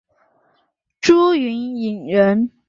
朱云影人。